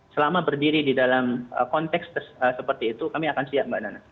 selama berdiri di dalam konteks seperti itu kami akan siap mbak nana